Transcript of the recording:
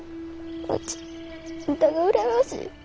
うちあんたが羨ましい。